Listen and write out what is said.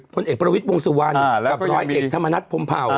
ผลเอกประวิทย์วงสุวรรณกับร้อยเอกธรรมนัฐพรมเผา